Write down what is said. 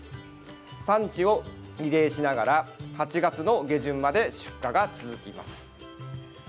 産地をリレーしながら８月の下旬まで出荷が続きます。